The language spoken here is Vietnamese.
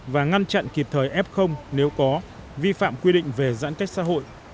và ngăn chặn kịp thời f nếu có vi phạm quy định về giãn cách xã hội